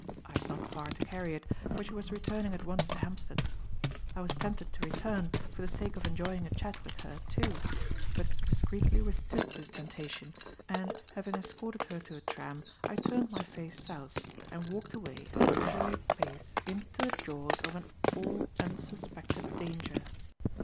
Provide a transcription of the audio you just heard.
I had not far to carry it, for she was returning at once to Hampstead. I was tempted to return, for the sake of enjoying a chat with her, too, but discreetly withstood the temptation, and, having escorted her to a tram, I turned my face south and walked away at a leisurely pace into the jaws of an all unsuspected danger.